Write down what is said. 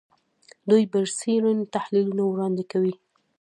دوی برسېرن تحلیلونه وړاندې کوي